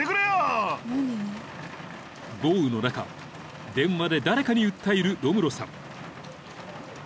［豪雨の中電話で誰かに訴えるロムロさん］